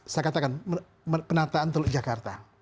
saya katakan penataan teluk jakarta